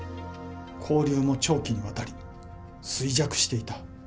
勾留も長期にわたり、衰弱していた。